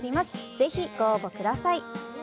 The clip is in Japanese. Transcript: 是非、ご応募ください。